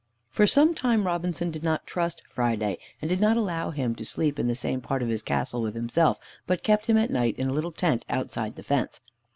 For some time Robinson did not trust Friday, and did not allow him to sleep in the same part of his castle with himself, but kept him at night in a little tent outside the fence.